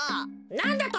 なんだと！？